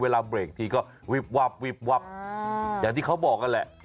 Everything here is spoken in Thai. เวลาเบรกทีก็หวิบวัพอย่างที่เขาบอกกันแหละ